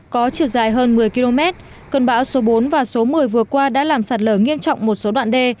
có chiều dài hơn một mươi km cơn bão số bốn và số một mươi vừa qua đã làm sạt lở nghiêm trọng một số đoạn đê